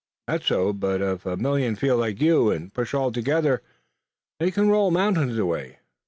"That's so, but if a million feel like you and push all together, they can roll mountains away."